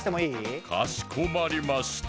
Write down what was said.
かしこまりました。